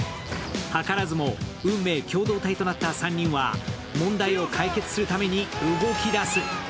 図らずも運命共同体となった３人は問題を解決するために動きだす